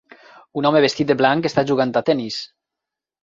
Un home vestit de blanc està jugant a tennis.